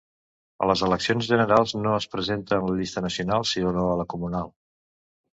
A les eleccions generals no es presenta en la llista nacional sinó a la comunal.